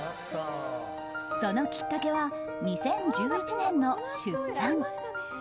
そのきっかけは２０１１年の出産。